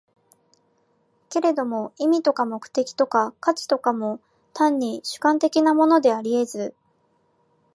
けれども意味とか目的とか価値とかも、単に主観的なものであり得ず、